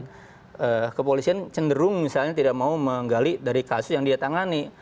karena kepolisian cenderung misalnya tidak mau menggali dari kasus yang dia tangani